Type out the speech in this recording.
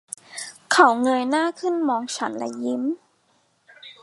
เขาเงยหน้าขึ้นมองฉันและยิ้ม